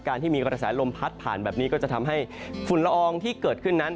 ที่มีกระแสลมพัดผ่านแบบนี้ก็จะทำให้ฝุ่นละอองที่เกิดขึ้นนั้น